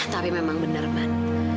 tapi memang benar man